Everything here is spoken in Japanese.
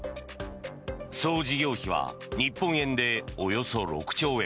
総事業費は日本円でおよそ６兆円。